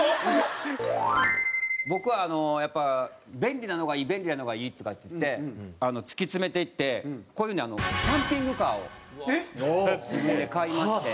僕はあのやっぱ便利なのがいい便利なのがいいとかって言って突き詰めていってこういうふうにキャンピングカーを自分で買いまして。